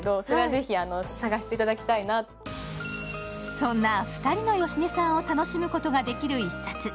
そんな２人の芳根さんを楽しむことができる一冊。